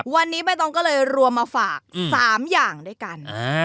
วันนี้ใบตองก็เลยรวมมาฝาก๓อย่างด้วยกัน